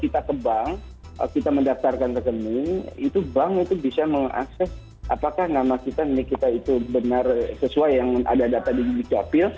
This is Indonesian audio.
kita ke bank kita mendaftarkan rekening itu bank itu bisa mengakses apakah nama kita nik kita itu benar sesuai yang ada data di dukcapil